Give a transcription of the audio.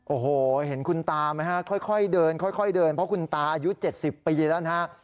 โอ้โหเห็นคุณตาไหมฮะค่อยเดินเพราะคุณตาอายุเจ็ดสิบปีแล้วนะฮะ